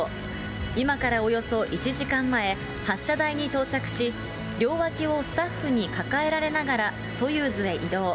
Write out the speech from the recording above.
今からおよそ１時間前、発射台に到着し、両脇をスタッフに抱えられながら、ソユーズへ移動。